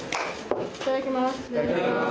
いただきます。